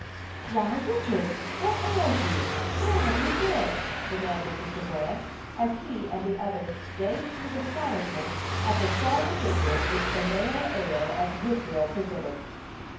"Why, Richard! What ails you? Where have you been?" demanded Mr. Grant, as he and the others gazed with astonishment at the sorry figure which the male heir of Woodville presented.